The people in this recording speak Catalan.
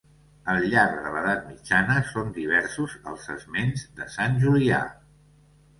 Al llarg de l'edat mitjana són diversos els esments de Sant Julià.